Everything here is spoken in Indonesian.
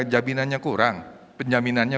jaminannya kurang penjaminannya